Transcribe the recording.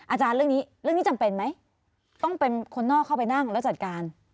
อาจารย์เรื่องนี้เรื่องนี้จำเป็นไหมต้องเป็นคนนอกเข้าไปนั่งแล้วจัดการ